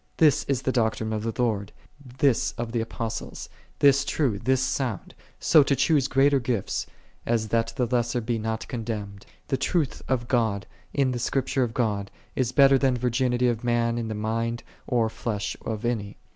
This is the doctrine of the Lord, this of the Apostles, this true, this sound, so to choose greater gifts, as that the lesser be not condemned. The truth of God, in the Script ure of God, is better than virginity of man in the mind or flesh of any.